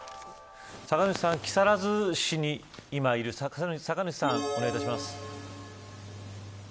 酒主さん、木更津市に今いる酒主さん、お願いします。